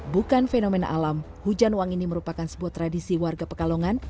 bukan fenomena alam hujan wang ini merupakan sebuah tradisi warga pekalongan